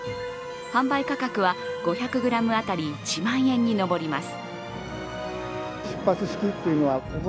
販売価格は５００ｇ当たり１万円に上ります。